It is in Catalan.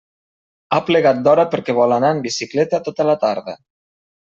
Ha plegat d'hora perquè vol anar en bicicleta tota la tarda.